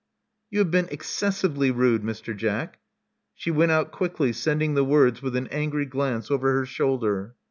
*'You have been excessively rude, Mr. Jack." She went out quickly, sending the words with an angry glance over her shoulder.